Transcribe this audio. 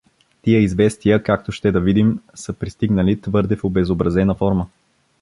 Тия известия, както ще да видим, са пристигнали твърде в обезобразена форма.